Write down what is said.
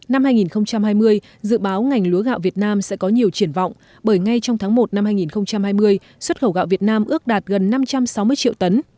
năm hai nghìn hai mươi dự báo ngành lúa gạo việt nam sẽ có nhiều triển vọng bởi ngay trong tháng một năm hai nghìn hai mươi xuất khẩu gạo việt nam ước đạt gần năm trăm sáu mươi triệu tấn